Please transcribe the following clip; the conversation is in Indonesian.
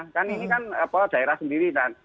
kan ini kan daerah sendiri